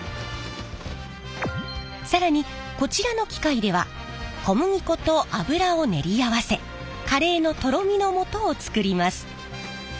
更にこちらの機械では小麦粉と油を練り合わせカレーのとろみのもとを作ります。